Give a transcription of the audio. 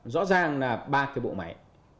rõ ràng là ba cái bộ máy